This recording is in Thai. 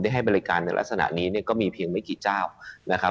ได้ให้บริการในลักษณะนี้ก็มีเพียงไม่กี่เจ้า